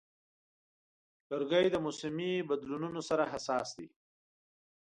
لرګی په موسمي بدلونونو حساس دی.